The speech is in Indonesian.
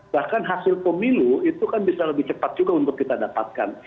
bahkan hasil pemilu itu kan bisa lebih cepat juga untuk kita dapatkan